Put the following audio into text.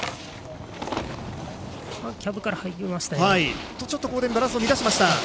キャブから入りました。